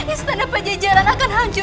istana pajajaran akan berakhir